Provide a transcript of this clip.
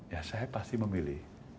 ya saya pasti memilih